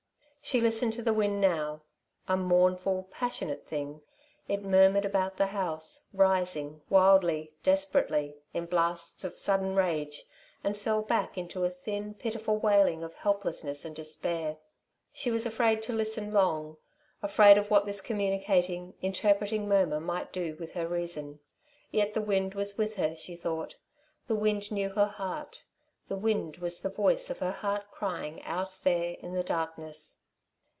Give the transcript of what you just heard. She listened to the wind now. A mournful, passionate thing, it murmured about the house, rising wildly, desperately, in blasts of sudden rage, and fell back into a thin, pitiful wailing of helplessness and despair. She was afraid to listen long, afraid of what this communicating, interpreting murmur might do with her reason. Yet the wind was with her, she thought. The wind knew her heart the wind was the voice of her heart crying out there in the darkness.